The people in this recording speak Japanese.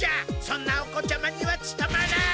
そんなお子ちゃまにはつとまらん！